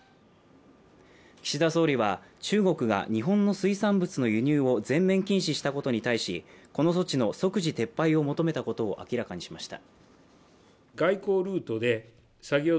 岸田総理は中国が日本の水産物の輸入を全面禁止したことに対しこの措置の即時撤廃を求めたことを明らかにしました。